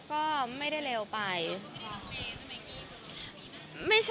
ก็บอกว่าเซอร์ไพรส์ไปค่ะ